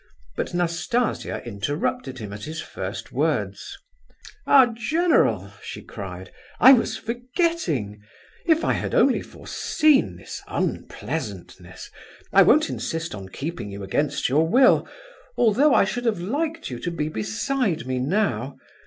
But Nastasia interrupted him at his first words. "Ah, general!" she cried, "I was forgetting! If I had only foreseen this unpleasantness! I won't insist on keeping you against your will, although I should have liked you to be beside me now.